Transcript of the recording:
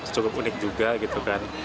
cukup unik juga gitu kan